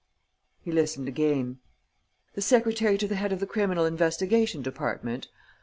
He listened again: "The secretary to the head of the criminal investigation department?